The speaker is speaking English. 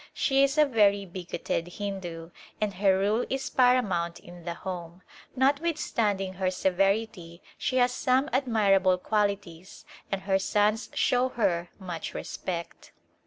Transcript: She is a very bigoted Hindu, and her rule is paramount in the home ; notwithstanding her severity she has some admirable qualities and her sons show her much respect.